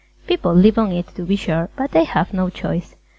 People live on it, to be sure, but they have no choice.